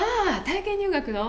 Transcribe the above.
体験入学の。